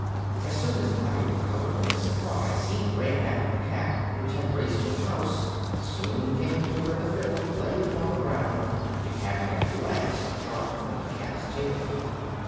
As soon as Bobby recovered from his surprise he ran after the cat, which had raced to the house, and soon came to where the fiddle lay upon the ground, it having at last dropped from the cat's tail.